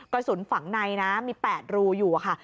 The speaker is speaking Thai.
กระสุนฝังในนะมี๘รูอยู่ค่ะ